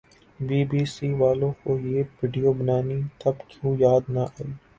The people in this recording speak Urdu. بی بی سی والوں کو یہ وڈیو بنانی تب کیوں یاد نہ آئی